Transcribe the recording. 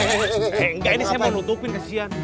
enggak ini saya mau nutupin kesian